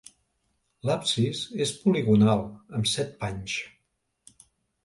L'absis és poligonal, amb set panys.